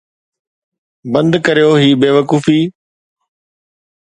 بند ڪريو هي بيوقوفي